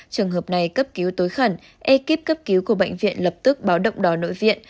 trường hợp này cấp cứu tối khẩn ekip cấp cứu của bệnh viện lập tức báo động đỏ nội viện